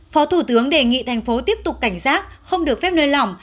phó thủ tướng đề nghị thành phố tiếp tục cảnh giác không được phép nơi lỏng